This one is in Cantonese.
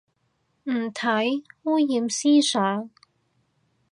唔睇，污染思想